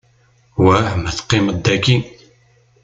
Wah ma teqqimeḍ dayi?